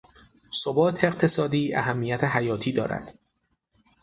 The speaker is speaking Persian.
ثبات اقتصادی اهمیت حیاتی دارد.